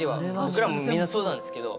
僕らもみんなそうなんですけど。